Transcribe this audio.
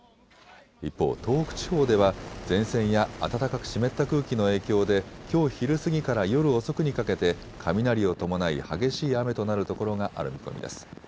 一方、東北地方では前線や暖かく湿った空気の影響できょう昼過ぎから夜遅くにかけて雷を伴い激しい雨となるところがある見込みです。